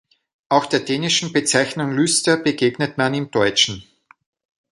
Auch der dänischen Bezeichnung "Lyster" begegnet man im Deutschen.